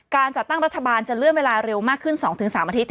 การจัดตั้งรัฐบาลจะเลื่อนเวลาเร็วมากขึ้น๒๓อาทิตย